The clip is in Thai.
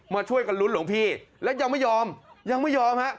มาช่วยกันลุ้นหลวงพี่และยังไม่ยอมยังไม่ยอมฮะ